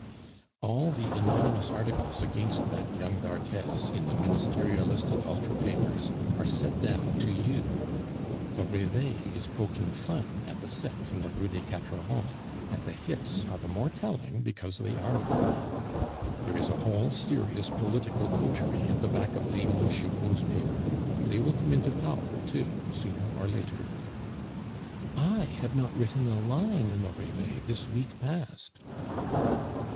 "All the anonymous articles against that young d'Arthez in the Ministerialist and Ultra papers are set down to you. The Reveil is poking fun at the set in the Rue des Quatre Vents, and the hits are the more telling because they are funny. There is a whole serious political coterie at the back of Leon Giraud's paper; they will come into power too, sooner or later." "I have not written a line in the Reveil this week past."